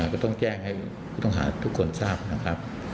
ก็ต้องแจ้งให้ผู้ต้องหาทุกคนทราบนะครับ